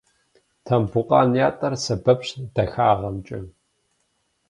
Тамбукъан ятӏэр сэбэпщ дахагъэмкӏэ.